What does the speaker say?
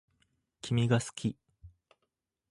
君が好き